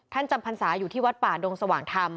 จำพรรษาอยู่ที่วัดป่าดงสว่างธรรม